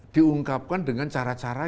diungkapkan dengan cara cara